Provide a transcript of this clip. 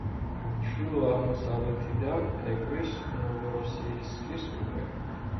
ჩრდილო-აღმოსავლეთიდან ეკვრის ნოვოროსიისკის უბე.